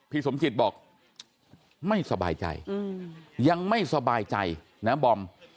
สมจิตบอกไม่สบายใจยังไม่สบายใจนะบอม